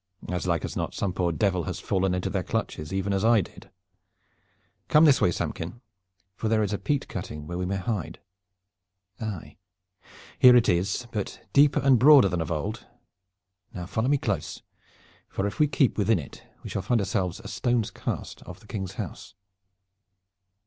"As like as not some poor devil has fallen into their clutches, even as I did. Come this way, Samkin, for there is a peat cutting where we may hide. Aye, here it is, but deeper and broader than of old. Now follow me close, for if we keep within it we shall find ourselves a stone cast off the King's house."